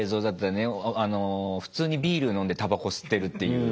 普通にビール飲んでたばこ吸ってるっていう。